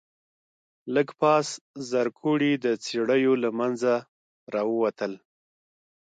لږ پاس زرکوړي د څېړيو له منځه راووتل.